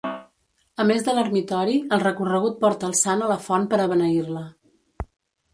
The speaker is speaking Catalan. A més de l'ermitori, el recorregut porta el sant a la font per a beneir-la.